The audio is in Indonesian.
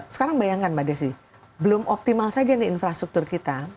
sekarang bayangkan mbak desi belum optimal saja nih infrastruktur kita